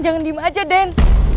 jangan diem aja den